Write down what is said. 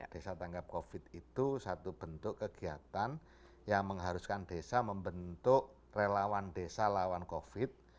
desa tanggap covid itu satu bentuk kegiatan yang mengharuskan desa membentuk relawan desa lawan covid